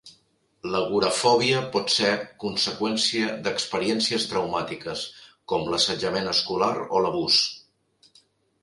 L'agorafòbia pot ser conseqüència d"experiències traumàtiques, com l'assetjament escolar o l'abús.